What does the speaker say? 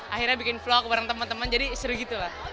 akhirnya bikin vlog bareng teman teman jadi seru gitu lah